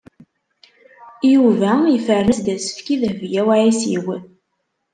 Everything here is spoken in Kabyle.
Yuba yefren-as-d asefk i Dehbiya u Ɛisiw.